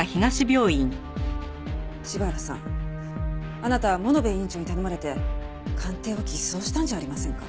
芝浦さんあなたは物部院長に頼まれて鑑定を偽装したんじゃありませんか？